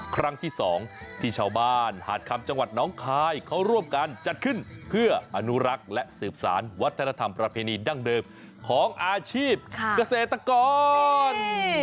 ครั้งที่๒ที่ชาวบ้านหาดคำจังหวัดน้องคายเขาร่วมกันจัดขึ้นเพื่ออนุรักษ์และสืบสารวัฒนธรรมประเพณีดั้งเดิมของอาชีพเกษตรกร